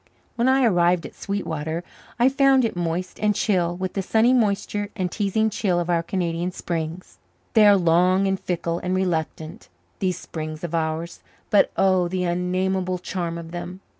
When I arrived at Sweetwater I found it moist and chill with the sunny moisture and teasing chill of our Canadian springs. They are long and fickle and reluctant, these springs of ours, but, oh, the unnamable charm of them!